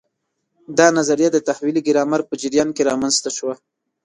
دا نظریه د تحویلي ګرامر په جریان کې رامنځته شوه.